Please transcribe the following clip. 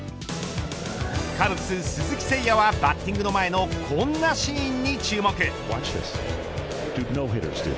カブス、鈴木誠也はバッティング前のこんなシーンに注目。